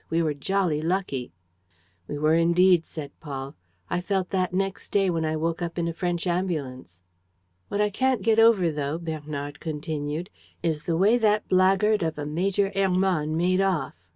We were jolly lucky!" "We were indeed," said Paul. "I felt that next day, when I woke up in a French ambulance!" "What I can't get over, though," Bernard continued, "is the way that blackguard of a Major Hermann made off.